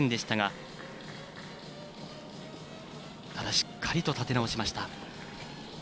ただ、しっかりと立て直しました。